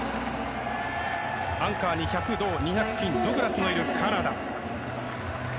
アンカーに１００、銅２００、金のドグラスがいるカナダ。